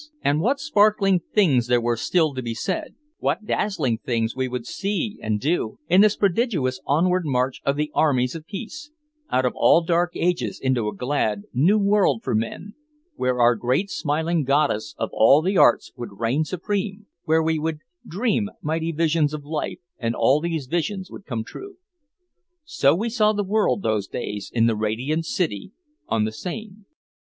And what sparkling things there were still to be said, what dazzling things we would see and do, in this prodigious onward march of the armies of peace, out of all dark ages into a glad new world for men, where our great smiling goddess of all the arts would reign supreme, where we would dream mighty visions of life and all these visions would come true. So we saw the world those days in the radiant city on the Seine.